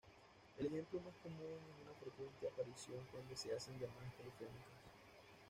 El ejemplo más común es una frecuente aparición cuando se hacen llamadas telefónicas.